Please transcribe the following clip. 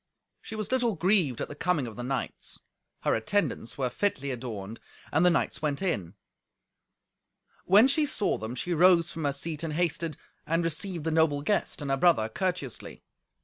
She was little grieved at the coming of the knights. Her attendants were fitly adorned, and the knights went in. When she saw them, she rose from her seat, and hasted, and received the noble guest and her brother courteously.